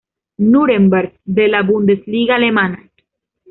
Núremberg de la Bundesliga alemana.